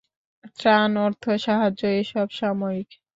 ত্রাণ, অর্থ সাহায্য এসব সাময়িক।